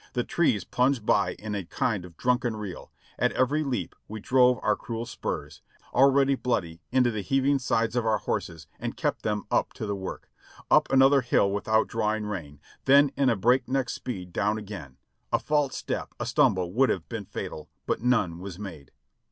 The trees plunged by in a kind of drunken reel ; at every leap we drove our cruel spurs, already bloody, into the heaving sides of our horses and kept them up to the work ; up another hill without drawing rein, then in a breakneck speed down again ; a false step, a stumble would have been fatal, but none was made.